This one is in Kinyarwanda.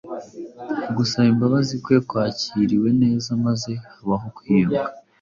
Ugusaba imbabazi kwe kwakiriwe neza maze habaho kwiyunga